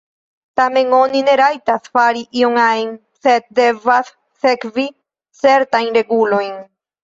Tamen oni ne rajtas fari ion ajn, sed devas sekvi certajn regulojn.